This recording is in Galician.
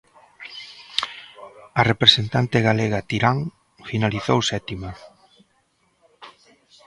A representante galega, Tirán, finalizou sétima.